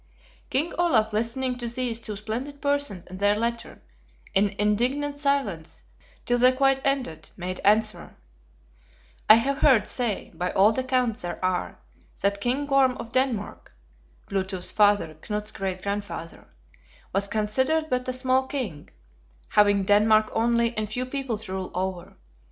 King Olaf listening to these two splendid persons and their letter, in indignant silence till they quite ended, made answer: "I have heard say, by old accounts there are, that King Gorm of Denmark [Blue tooth's father, Knut's great grandfather] was considered but a small king; having Denmark only and few people to rule over.